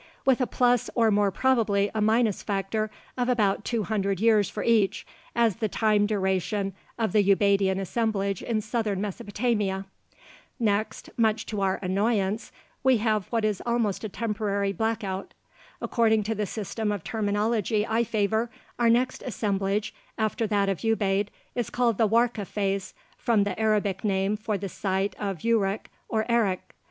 with a plus or more probably a minus factor of about two hundred years for each, as the time duration of the Ubaidian assemblage in southern Mesopotamia. Next, much to our annoyance, we have what is almost a temporary black out. According to the system of terminology I favor, our next "assemblage" after that of Ubaid is called the Warka phase, from the Arabic name for the site of Uruk or Erich.